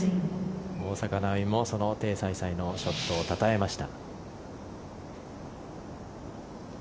大坂なおみもそのテイ・サイサイのショットをたたえました。